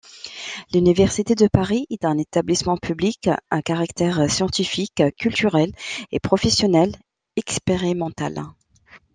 L'Université de Paris est un établissement public à caractère scientifique, culturel et professionnel expérimental.